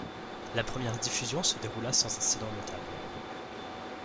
La première diffusion se déroula sans incident notable.